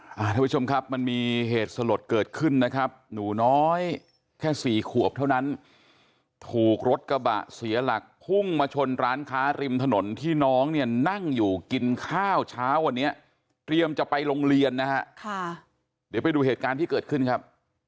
ท่านผู้ชมครับมันมีเหตุสลดเกิดขึ้นนะครับหนูน้อยแค่สี่ขวบเท่านั้นถูกรถกระบะเสียหลักพุ่งมาชนร้านค้าริมถนนที่น้องเนี่ยนั่งอยู่กินข้าวเช้าวันนี้เตรียมจะไปโรงเรียนนะฮะค่ะเดี๋ยวไปดูเหตุการณ์ที่เกิดขึ้นครับ